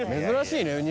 珍しいね